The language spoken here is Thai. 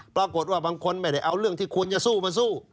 ปรากฏว่าบางคนไม่ได้เอาเรื่องที่ควรจะสู้มาสู้